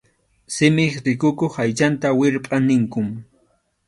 Simip rikukuq aychanta wirpʼa ninkum.